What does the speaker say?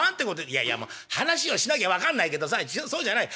いやいやもう話をしなきゃ分かんないけどさそうじゃない。